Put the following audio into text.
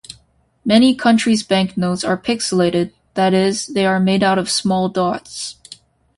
Many countries' banknotes are pixelated-that is, they are made out of small dots.